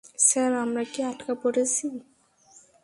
Sir, আমরা কি আটকা পড়েছি?